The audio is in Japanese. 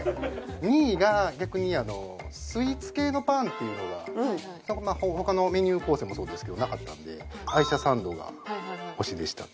２位が逆にスイーツ系のパンっていうのが他のメニュー構成もそうですけどなかったんで愛車サンドが推しでした。